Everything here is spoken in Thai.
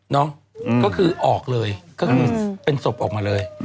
ก็คือออกเลยก็คือเป็นศพออกมาเลย